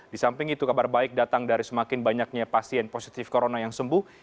di samping itu kabar baik datang dari semakin banyaknya pasien positif corona yang sembuh